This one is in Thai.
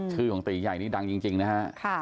ชื่อของตีใหญ่นี่ดังจริงนะฮะ